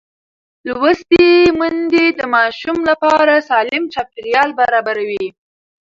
لوستې میندې د ماشوم لپاره سالم چاپېریال برابروي.